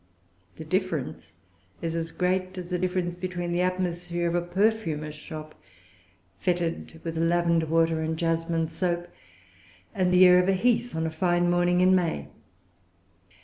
The difference is as great as the difference between the atmosphere of a perfumer's shop, fetid with lavender water and jasmine soap, and the air of a heath on a fine morning in May.